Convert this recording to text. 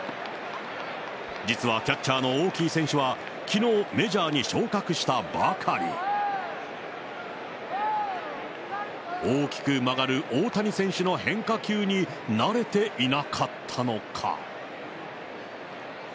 実はキャッチャーのオーキー選手は、きのう、メジャーに昇格したばかり。大きく曲がる大谷選手の変化球に慣れていなかったのか。